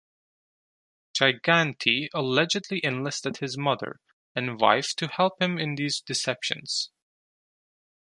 Gigante allegedly enlisted his mother, and wife to help him in these deceptions.